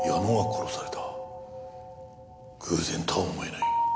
偶然とは思えない。